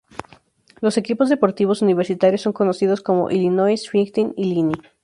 Los equipos deportivos universitarios son conocidos como "Illinois Fighting Illini".